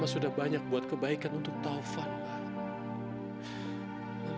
mama sudah banyak buat kebaikan untuk taufan mak